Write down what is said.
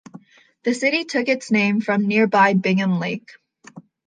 The city took its name from nearby Bingham Lake.